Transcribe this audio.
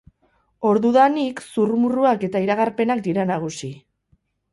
Ordudanik, zurrumurruak eta iragarpenak dira nagusi.